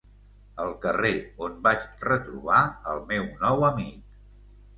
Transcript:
El carrer on vaig retrobar el meu nou amic...